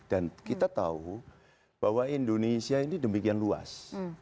dan kita tahu bahwa indonesia ini demikian luas